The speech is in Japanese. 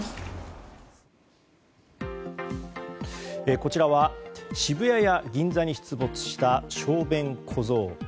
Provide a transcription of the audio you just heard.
こちらは渋谷や銀座に出没した小便小僧。